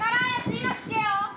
今聞けよ。